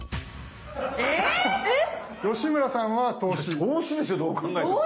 いや投資ですよどう考えても。